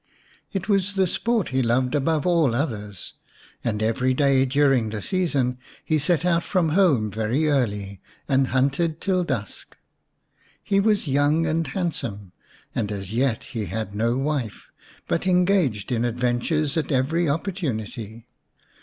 It was the sport he loved above all others, and every day during the season he set out from home very early, and hunted till dusk. He was young and handsome, and as yet he had no wife, but engaged in adventures at every opportunity.